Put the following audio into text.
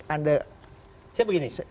anda saya begini